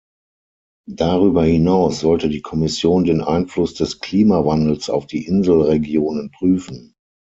Darüber hinaus sollte die Kommission den Einfluss des Klimawandels auf die Inselregionen prüfen.